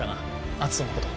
篤斗のこと。